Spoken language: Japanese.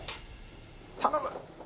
頼む！